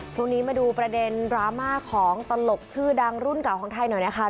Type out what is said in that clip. ช่วงนี้มาดูประเด็นดราม่าของตลกชื่อดังรุ่นเก่าของไทยหน่อยนะคะ